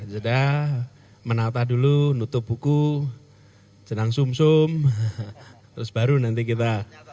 jeda menata dulu nutup buku jenang sum sum terus baru nanti kita